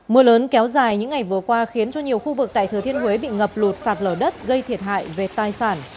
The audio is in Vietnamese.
mưa lớn kéo dài những ngày vừa qua khiến cho nhiều khu vực tại thừa thiên huế bị ngập lụt sạt lở đất gây thiệt hại về tài sản